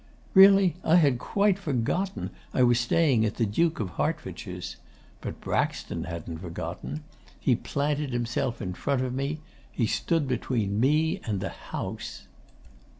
Really I had quite forgotten I was staying at the Duke of Hertfordshire's. But Braxton hadn't forgotten. He planted himself in front of me. He stood between me and the house.